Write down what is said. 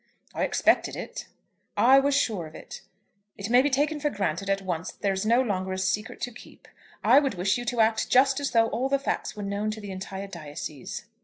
"I expected it." "I was sure of it. It may be taken for granted at once that there is no longer a secret to keep. I would wish you to act just as though all the facts were known to the entire diocese."